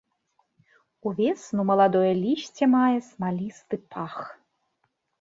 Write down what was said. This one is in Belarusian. Увесну маладое лісце мае смалісты пах.